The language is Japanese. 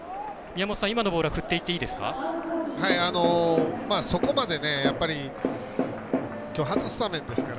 宮本さん、今のボールは振っていっていいですか？